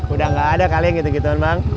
udah gak ada kali yang gitu gitu bang